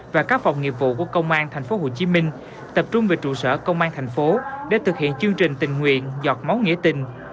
và các phòng nghiệp vụ của công an tp hcm tập trung về trụ sở công an thành phố để thực hiện chương trình tình nguyện giọt máu nghĩa tình